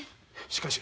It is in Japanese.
しかし。